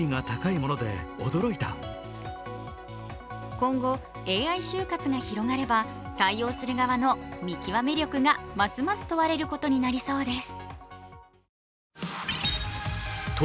今後、ＡＩ就活が広がれば採用する側の見極め力がますます問われることになりそうです。